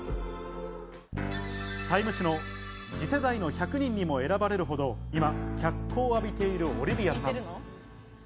『ＴＩＭＥ』誌の次世代の１００人にも選ばれるほど今、脚光を浴びているオリヴィアさん。